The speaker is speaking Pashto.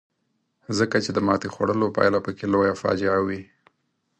ځکه چې د ماتې خوړلو پایله پکې لویه فاجعه وي.